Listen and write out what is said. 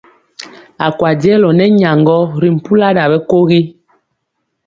A kwa jɛlɔ nɛ nyaŋgɔ ri mpula ɗa ɓɛkogi.